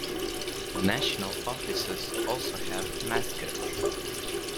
The National Offices also have mascots.